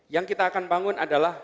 yang kita akan bangun adalah